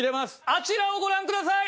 あちらをご覧ください！